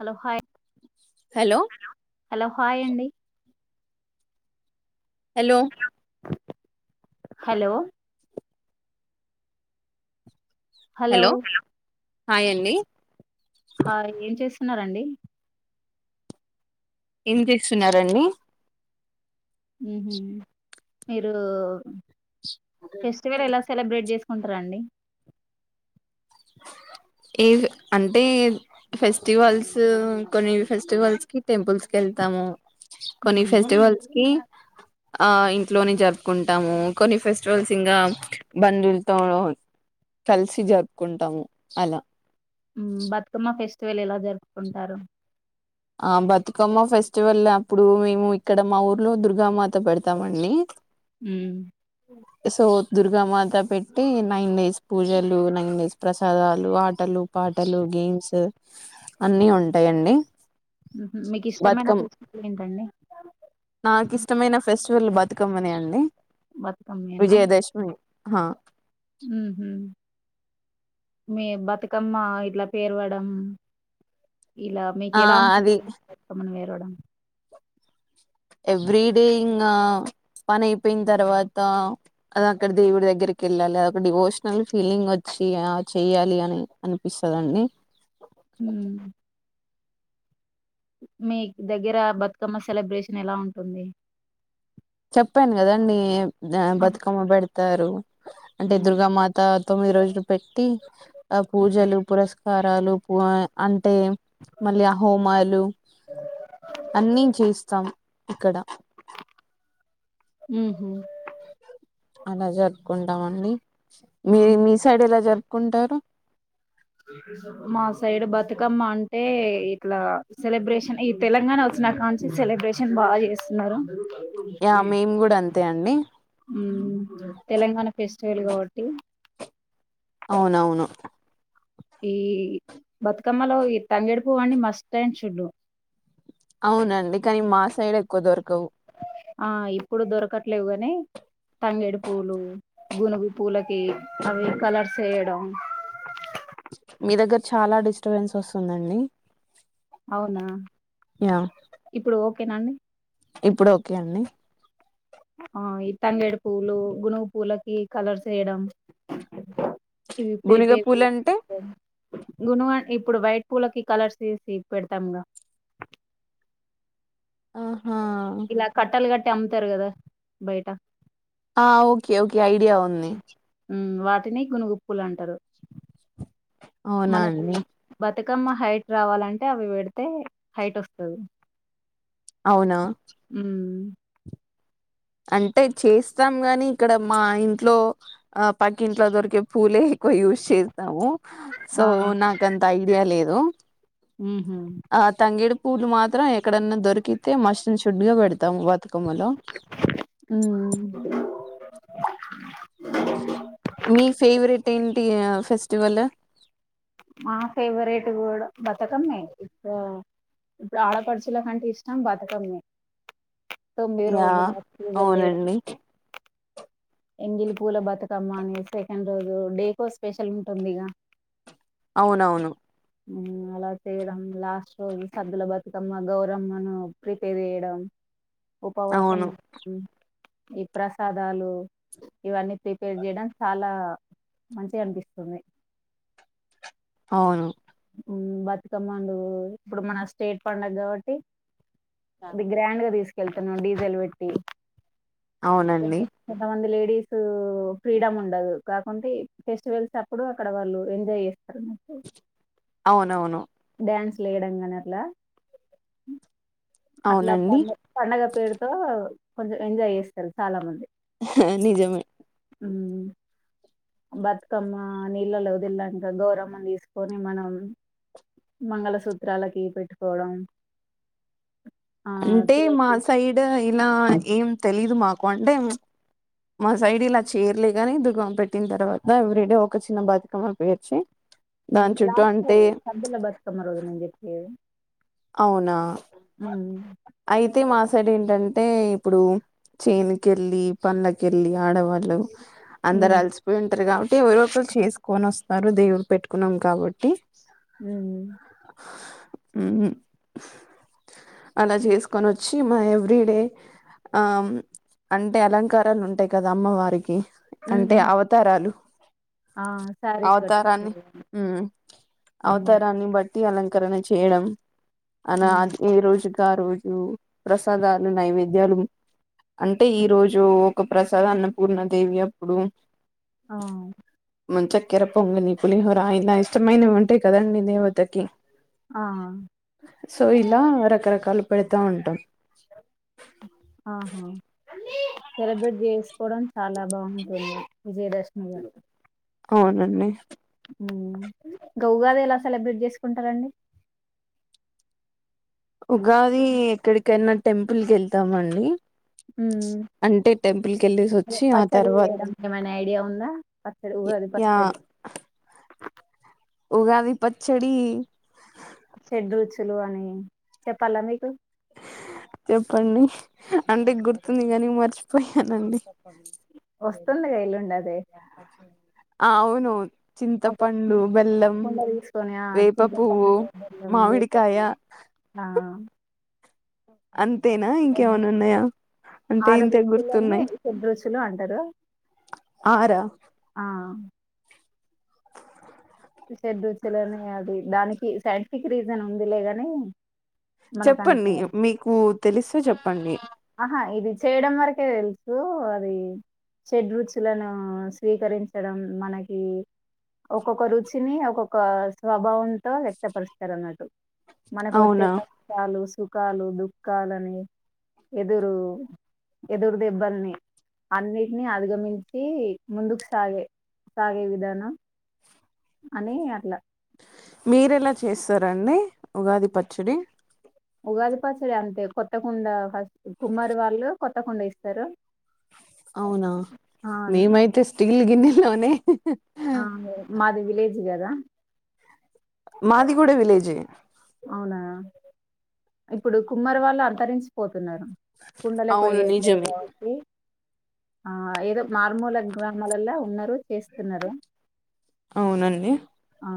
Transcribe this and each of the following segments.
Hello hi hello hello hi అండి hello hello hello hi అండి hi ఏం చేస్తున్నరండి ఏం చేస్తున్నారండి మ్ హు మీరు ఫెస్టివల్ ఎలా సెలబ్రేట్ చేస్ కుంటరండి ఏ అంటే ఫెస్టివల్స్ కొన్ని ఫెస్టివల్స్ కి టెంపుల్స్ కెళ్తాము కొన్ని మ్, ఫెస్టివల్స్ కి ఆ ఇంట్లోనే జరుపుకుంటాము, కొన్ని ఫెస్టివల్స్ ఇంకా బంధువులతో కలిసి జరుపు కుంటాము అలా మ్ బతుకమ్మ ఫెస్ట్ ళ్ళ ఎలా జరుపుకుంటారు ఆ బతుకమ్మ ఫెస్టివల్ అప్పుడు మేము ఇక్కడ మా ఊర్లో దుర్గామాత పెడతామండి మ్ సో దుర్గామాత పెట్టి నైన్ డేస్ పూజలు న ప్రసాదాలు ఆటలు పాటలు గేమ్స్ అన్ని ఉంటాయండి మ్హూ. మీకు ఇష్టమైన బతుకమ్మ ఫెస్టివల్ ఏంటండి నాకు ఇష్టమైన ఫెస్టివల్ బతుకమ్మని అండి బతుకమ్మేనా విజయదశమి అ ఉహు మీ బతుకమ్మ ఇట్లా పేరవడం ఇలా అ మీక ఆ ఎలా అది అమేర చడం ఎవ్రీడే ఇంకా పని అయిపోయిన తర్వాత అద అక్కడ దేవుడి దగ్గరికి వెళ్ళాలి అదొ ఒక డిమోషనల్ ఫీలింగ్ వచ్చి ఆ చేయాలి అని అనిపిస్తుందండి హ మీ దగ్గర బతుకమ్మ సెలబ్రేషన్ ఎలా ఉంటుంది చెప్పాను కదండి బతుకమ్మ పెడతారు అంటే దుర్గామాత తొమి రో పెట్టి ఆ పూజలు పురస్క కారాలు పూ అంటే మళ్ళీ ఆ హోమాలు అన్నీ చేస్తాం ఇక్కడ ఊ అలా జరుపుకుంటామండి మీ ఉహు మీ సైడలా జరుపు కుంటారు మా సైడు బతుకమ్మ అంటే ఇట్లా సెలబ్రేషన్ ఈ తెలంగాణ వచ్చినాకంచి సెలబ్రేషన్ బాగా చేస్తున్నారు యా మేము కూడా అంతే అండి చేలు కాబటి అవునవును ఈ బతుకమ్మలో ఈ తంగేడి పువ్వు అన్నీ మస్ట్ అండ్ షుడ్ అవునండి కానీ మా సైడ్ ఎక్కువ దొరక ఆ ఇప్పుడు దొరకట్లేవు గాని తంగేడి పూలు గునుగు పూలకి అవి కలర్స్ ఏయడం మీ దగ్గర చాలా డిస్టర్బెన్స్ వస్తుందండి అవునా యా ఇప్పుడు ఓకే నండి ఇప్పుడు ఓకే అండి ఆ ఈ తంగేడి పూవ్లు గునుగు పూవలకి కలర్స్ ఏయడం ఇవి గునిగ పెరుపేరు పూలు అంటే గుణవా అండి ఇప్పుడు వైట్ పూలకి కలర్స్ తీసి పెడతాము ఆ ఇలా కట్టలు గట్ట అమ్ముతారు కదా బయట ఆ ఓకే ఓకే ఐడియా ఉంది ఉమ్ వాటిని గునుగుప్పులు అంటారు మనకి అవునండీ బతుకమ్మ హైట్ రావాలంటే అవి పెడితే హైట్ వస్తుంది అవునా అంటే చేస్తాము గాని ఇక్కడ మా ఇంట్లో ఆ పక్కి ఇంట్లో దొరికే పూలే ఎక్కువ యూస్ చేస్తాము సో నాకంత ఐడియా లేదు హలో హ హ పూలు మాత్రం ఎక్కడన్నా దొరికితే మస్ట్ అండ్ షుడ్ గా పెడతాం బతుకమ్మలో ఆ మీ ఫేవరెట్ ఏంటి ఫెస్టివల్ మా ఫేవరెట్ కూడా బతుకమ్మే ఇప్పు ఇప్పుడు ఆడపడుచుల కంటే ఇష్టం బతుకమ్మే తొమ్మిది యా రోజుల పూజలు చేయడం అవునండి ఎంగిలి పూల బతుకమ్మ అని సెకండ్ రోజు డేకో స్పెషల్ ఉంటుంది ఇక అవునవును అలా చేయడం లాస్ట్ రోజు సదుల బతుకమ్మ గౌరమ్మను ప్రిపేర్ చేయడం ఉపవాసం అవును ఈ ప్రసాదాలు ఇవన్నీ ప్రిపేర్ చేయడం చాలా మంచిగ అనిపిస్తుంది అవును బతుకమ్మందు ఇప్పుడు మన స్టేట్ పడుగ కాబట్టి అది గ్రాండ్ గా తీసుకు కళ్తాను డీజెల్ పెట్టి అవునండి ఎ మంది లేడి డీస్ ఫ్రీడమ్ ఉండదు కాకుంటే ఫెస్టివల్స్ అప్పుడు అక్కడ వాళ్ళు ఎంజాయ్ చేస్తారు స అవునవును డ్యాన్స్లు వేయడం కానీ అట్లా అట్లా అవునండి పండ పండగ పేరుతో కొంచెం ఎంజాయ్ చేస్తారు చాలా మంది నిజమై అవు బతుకమ్మ నీళ్ళలు వదిల్లాక గోరమ్మను తీసుకొని మనం మంగళసూత్రాలకి పెట్టుకోవడం ఆ అంటే మా తులసి సైడ్ ఇలా ఏం తెలీదు మాకు అంటే మా సైడ్ ఇలా చేయరలే గాని దుఖం పెట్టిన తర్వాత ఎవ్రీ డే ఒక చిన్న బతుకమ్మ పేర్చి దాని చుట్టూ స్ అంటే సబ్దుల బతుకమ్మ రోజు నిం చెప్ప అవునాఐదు అతే మా సైడ్ ఏంటంటే ఇప్పుడు చేనకెళ్ళలి పంళక వెళ్ళి ఆడవాళ్ళు అందరు ఉమ్ అలసిపోయి ఉంటారు కాబట్టి అంటే ఎవరి ఒకరు చేసుకొని వస్తారు దేవులు పెట్టుకున్నాం కాబట్టి అ అ అలా చేసుకొని వచ్చు వచ్చి మా ఎవ్రీడే ఆ అంటే అలంకారాలు ఉంటాయి కదా అమ్మవారికి అంటే ఉమ్, అవతారాలు ఆ శారీస్ అవతారాన్ని కట్టించుకునే ఉమ్ అవతారాన్ని బట్టి అలాగ కరణ చేయడం అనా ఉమ్, అది ఈ రోజు ఆ రోజు ప్రసాదాలు నైవేద్యాలు అంటే ఈ రోజు ఒక ప్రసాద అన్నపూర్ణాదేవి అప్పుడు ఆ మంచ కిర పొంగలి పులిహోర ఇలా ఇష్టమైనవి ఉంటాయి కదండీ దేవతకి ఆ సో ఇలా రకరకాలు పెడతా ఉంటాం ఆహా సెలబ్రేట్ చేసుకోవడం చాలా బాగుంటుంది విజయదశమిగా అవునండి ఇంగ ఉగాది ఎలా సెలబ్రేట్ చేసుకుంటారంండి ఉగాది ఎక్కడికన్న టెంపుల్ క వెళ్తామ అండి వెళ్ళేసి వచ్చి ఆ పచ్చడి తర్వాత వేయడం ఏమైనా ఐడియా ఉందా పచ్చడి ఉగాది యా పచ్చడి ఉగాది పచ్చడి చెడ రుచులు అని చెప్పాలా మీకు చెప్పండి అంటే గుర్తుంది కానీ మర్చిపోయానండి వస్తుందిగా ఎల్లుండి అదే ఆ అవును ఒక చింతపండు బెల్లం కుండ తీసుకొని ఆ వేప చింత పువ్వు పండు బెల్లం వేప మామిడికాయ పువ్వు ఆ అంతేనా ఇంకేమైనా ఉన్నాయా అంటే ఆరు ఇంత రుచులని గుర్తున్నాయి షడ్రుచులు అంటారు ఆరా ఆ షడూచలోనే అది దానికి సైంటిఫిక్ రీజన్ ఉంది లేగాని చెప్పండి మీకు తెలిస్తే చెప్పండి ఆహా ఇది చేయడం వరకే తెలుసు అది చెడ్ రుచులను స్వీకరించడం మనకి ఒక్కొక్క రుచిని ఒక్కొక్క స్వభావంతో వ్యక్తపరుస్తారు అన్నట్టు మనకు వచ్చే అవునా క చాలు సూ సుఖాలు దుఃఖాలని ఎదురు ఎదురు దెబ్బల్ని అన్నిటిని అధిగమించి ముందుకు సాగే సాగే విధానం అనేే అట్లా మీరెలా చేస్తారంండి ఉగాది పచ్చడి ఉగాది పచ్చడి అంతే కొత్త కుండ ఫస్ట్ కుమ్మారి వాళ్ళు కొత్త కుండఇస్తారు అవునా మేమైతే స్టీల్ గిన్నె నూనె ఆ మాది విలేజ్ కదా మాదిగూడ విలేజే అవునా ఇప్పుడు కుమ్మరి వాళ్ళు అంతరించిపోతారు కుండలకు అవును వయ్యేట్ నిజమే కా వచ్చి ఆ ఏదో మారుమూల గ్రామాలలో ఉన్నారు చేస్తున్నారు అవునండి ఆ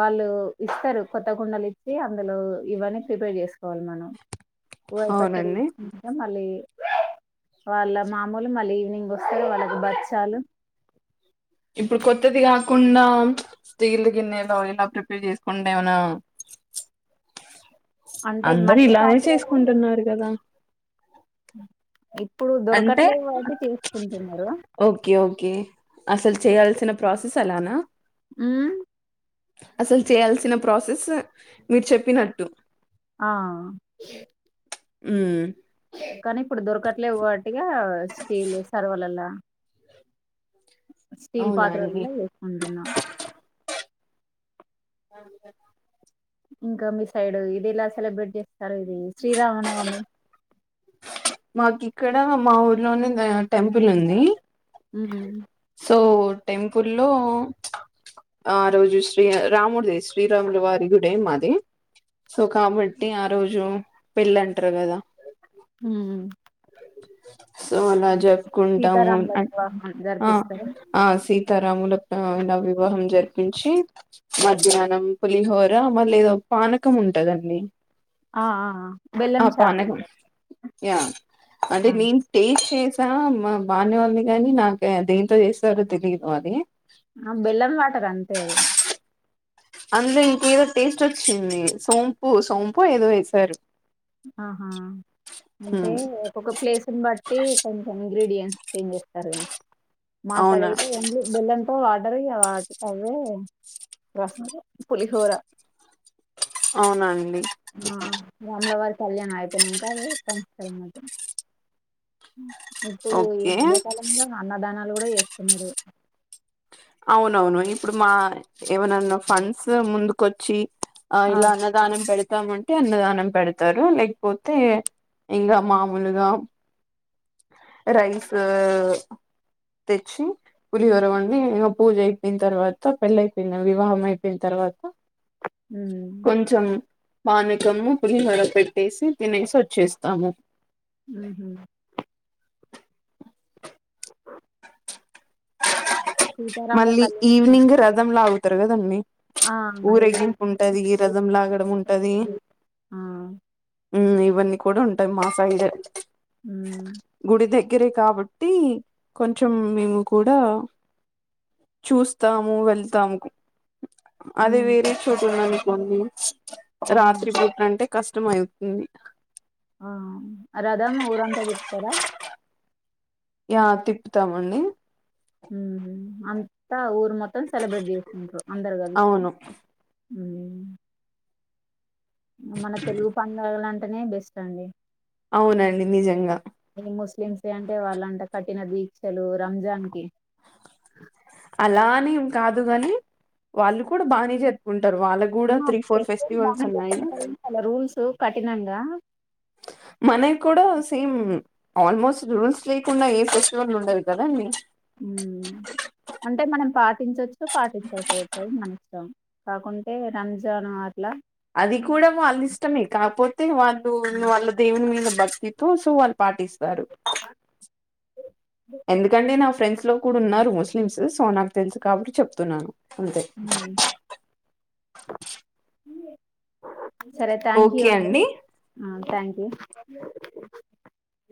వాళ్ళు ఇస్తారు కొత్త కుండలు ఇచ్చి అందులో ఇవని ప్రిపేర్ చేసుకోవాలి మనం ఉగాది పచ్చడి అవునండి మళ్లీ వాళ్ళ మామూలు మళ్ళీ ఈవినింగ్ వస్తారు వాళ్ళకి బచ్చాలు ఇప్పుడు కొత్తది కాకుండా స్టీల్ గిన్నెలో అయినా ప్రిపేర్ చేసుకుండా ఏమనా అంటే అందరు మట్టి ఇలానే పాత్రలు చేసుకుంటున్నారు కదా ఉ అంటే ఓకే ఓకే అసలు చేయాల్సిన ప్రాసెస్ తలానా ఉమ్ అసలు చేయాల్సిన ప్రాసెస్ మీరు చెప్పినట్టు ఆ ఉమ్ కానీ ఇప్పుడు దొరకట్లేవ్వు కాబట్టిగా స్టీల్ సర్వలలా స్టీల్ అవునా అండి పాత్రలల్ల చేసుకుంటున్నం అవును కదా ఇంకా మీ సైడ్ ఇది ఎలా సెలబ్రేట్ చేస్తారు ఇది శ్రీరామనవమి మాకు ఇక్కడ మా ఊర్లోనే టెంపుల్ ఉంది ఉం ఆ టెంపుల్లో ఆ రోజు శ్రీ రాముడిదే శ్రీరాముల వారి గుడే మాది సో కాబట్టి ఆ రోజు పెళ్ళింటారు కదా ఉం సో అలా జప్పుకుంటాము సీతారాముల వివాహం ఆ జరిపిస్తారు అ సీ తరాములా ఆ ఇలా వివాహం జరిపించి మధ్యాహ్నం పులిహోర మళ్ళి ఏదో పానకం ఉంటదండి ఆ అ అ బెల్లం ఆ చాక్ పానకం యా అంటే నేను టేస్ట్ చేసి మా బానేఉంది గాని నాకె దేంతో చేస్తారో తెలియదు అది ఆ బెల్లం వాటర్ అం తేదు అందులో ఇంకేదో టేస్ట్ వచ్చింది సోంపు సోంప్పో ఏదో వేసారు ఆహా అంటే ఉమ్, ఒక్కొక్క ప్లేస్ని బట్టి కొంచెం ఇంగ్రీడియ చేంజ్ చేస్తారుగా మా సైడ్ అవునా అయితే ఓన్లీ బెల్లంతో వా అండరి వాటి అవే రసము పులిహోర అవునండి ఆ రాములవారి కళ్యానం అయి పోయినంక మా ఇప్పుడు ఈ ఓకే మధ్యకాలంలో అన్నదాన వాళ్ కూడా చేస్తున్నారు అవునవును ఇప్పుడు మా ఏమనన్నా ఫండ్స్ ముందుకొచ్చి ఆ ఇలా అన్నదానం పెడితే ాంటే అన్నదానం పెడతారు లేకపోతే ఇకా మామలుగా రైస్ తెచ్చి పులియర వండి పూజ అయిపోయిన తర్వాత పెళ్ళ అయిపోయిన వివాహం అయిపోయిన తర్వాత హమ్ పానుకమ్ము పులిహోరా పెట్టేసి తినేసి వచ్చేస్తాము ఆహ సీతారాముల మళ్ళీ కళ్యాణం ఈవినింగ్ రథంలావుతుంది తరుగదంీ ఆ ఈ ఊరె్గింపు ఉంటది ఈ రథం లాగడం ఉంటది ఆ ఇవన్నీ కూడా ఉంటాయి మా సైడ్ ఉమ్ గుడిద దగ్గరే కాబట్టి కొంచెం మేము కూడా చూస్తాము వెళ్తాముకు అదే ఉమ్ వేరే చూటున్నాను అీ [unintelligible] ఉమ్ రాత్రి పూటంటే కష్టం అవుతుంది ఆ రథం ఊర అంతా తిప్పుతారా ఆ తిప్పుతామండి ఉ అంతాఊ ఇడు మొత్తం సెలబ్రేట్ చేస్తుకుంటారు అందరు కలిస్తే అవును హ్మ్మ్ మన తెలుగు పండుగ అంటిే అనే బెస్ట్ అండి అవునండి నిజంగా ఈ ముస్లిమ్స్ అంటే వాళ్ళంట కఠన దీక్షలు రంజాన్ కి అలానేం కాదు కాగాని వాళ్ళు కూడా బానే చెప్పుకుంటారు బాగా ఉన్నాయి చెంట అాల రూల్స్ కఠినంగా మనకి కూడా సేమ్ ఆల్మోస్ట్ రూల్స్ లేకుండా ఏ ఫెస్టివల్ ఉండదు కదండి అంటే మనం పాటించవచ్చు పాటించకపోచ్చది మనం కాకుంటే రంజాన్ అట్ల అది కూడా వాళ్ళ ఇష్టమే కాకపోతే వాళ్ళు వాళ్ళ దేవుని మీద భక్తితో సో వాళ్ళు పాటిస్తారు ఎందుకంటే నా ఫ్రెండ్స్ లో కూడా ఉన్నారు ముస్లిమ్స్ సో నాకు తెలుసు కాబట్టి చెప్తున్నాను అంతే హ్మ్ సరే థ్యాంక్ యూ ఓకే అండి అండిథంక్ యూ అ